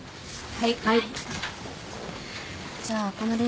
はい。